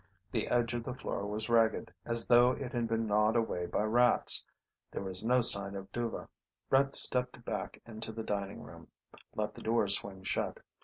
The edge of the floor was ragged, as though it had been gnawed away by rats. There was no sign of Dhuva. Brett stepped back into the dining room, let the door swing shut.